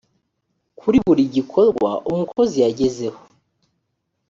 kuri buri gikorwa umukozi yagezeho